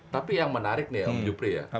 tapi yang menarik nih om jupri ya